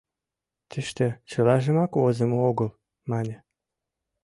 — Тыште чылажымак возымо огыл, — мане.